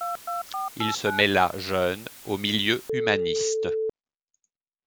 Il se mêla jeune aux milieux humanistes.